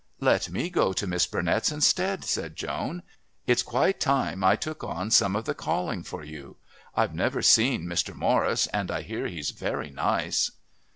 "Let me go to Miss Burnett's instead," said Joan. "It's quite time I took on some of the calling for you. I've never seen Mr. Morris, and I hear he's very nice."